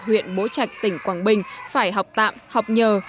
huyện bố trạch tỉnh quảng bình phải học tạm học nhờ